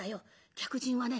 客人はね